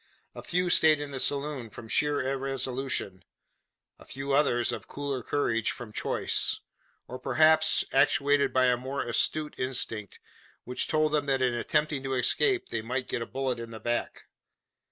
A few stayed in the saloon from sheer irresolution; a few others, of cooler courage, from choice; or, perhaps, actuated by a more astute instinct, which told them that in attempting to escape they might get a bullet in the back.